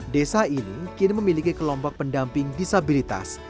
desa ini kini memiliki kelompok pendamping disabilitas